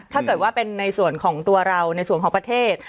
ถ้าเกิดว่าเป็นในส่วนของตัวเราในส่วนของประเทศ